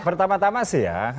pertama tama sih ya